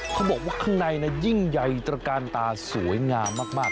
เขาบอกว่าข้างในยิ่งใหญ่ตระกาลตาสวยงามมาก